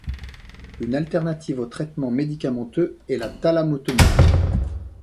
Une alternative au traitement médicamenteux est la thalamotomie.